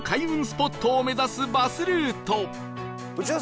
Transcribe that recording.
スポットを目指すバスルート